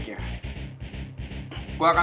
gue akan tunggu lo selama ini